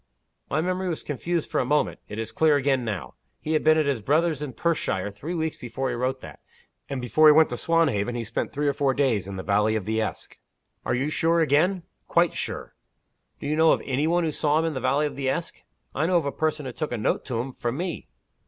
"My memory was confused for a moment. It is clear again now. He had been at his brother's in Perthshire three weeks before he wrote that. And before he went to Swanhaven, he spent three or four days in the valley of the Esk." "Are you sure again?" "Quite sure!" "Do you know of any one who saw him in the valley of the Esk?" "I know of a person who took a note to him, from me."